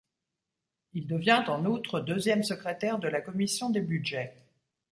Il devient, en outre, deuxième secrétaire de la commission des Budgets.